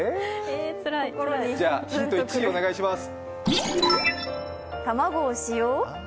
ヒント１、お願いします。